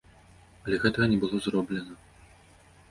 Але гэтага не было зроблена.